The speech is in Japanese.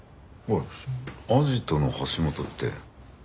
おいあじとの橋本って。